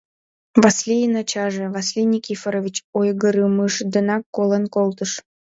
Васлийын ачаже, Васлий Никифорович, ойгырымыж денак колен колтыш.